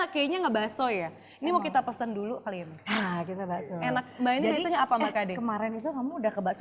kayaknya nggak bakso ya ini mau kita pesen dulu kalian enak banyak kemarin itu kamu udah kebaksu